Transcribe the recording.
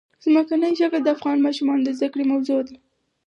ځمکنی شکل د افغان ماشومانو د زده کړې موضوع ده.